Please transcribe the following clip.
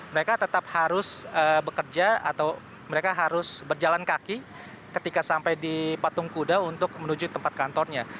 mereka tetap harus bekerja atau mereka harus berjalan kaki ketika sampai di patung kuda untuk menuju tempat kantornya